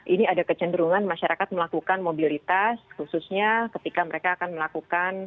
ini ada kecenderungan masyarakat melakukan mobilitas khususnya ketika mereka akan melakukan